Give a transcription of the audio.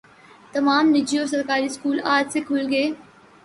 تمام نجی اور سرکاری اسکول آج سے کھل گئے